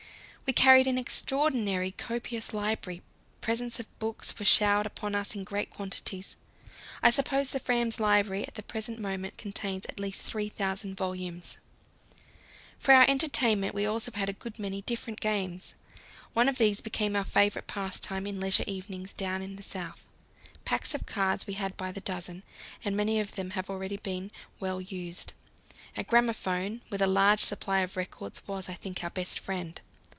We carried an extraordinarily copious library; presents of books were showered upon us in great quantities. I suppose the Fram's library at the present moment contains at least 3,000 volumes. For our entertainment we also had a good many different games. One of these became our favourite pastime in leisure evenings down in the South. Packs of cards we had by the dozen, and many of them have already been well used. A gramophone with a large supply of records was, I think, our best friend.